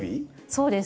そうです。